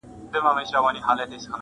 • کاظم شیدا ډېرښه ویلي دي -